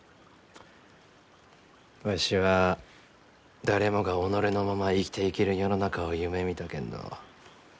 わしは誰もが己のまま生きていける世の中を夢みたけんど。